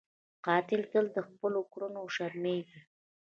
قاتل تل له خپلو کړنو شرمېږي